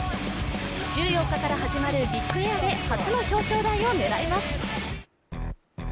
１４日から始まるビッグエアで初の表彰台を狙います。